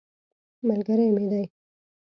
ملګری مې دی.